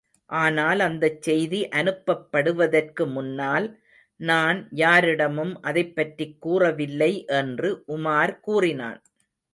ஆனால் அந்தச் செய்தி அனுப்பப்படுவதற்கு முன்னால், நான் யாரிடமும் அதைப்பற்றிக் கூறவில்லை என்று உமார் கூறினான்.